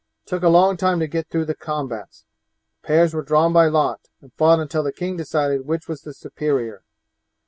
It took a long time to get through the combats; the pairs were drawn by lot, and fought until the king decided which was the superior.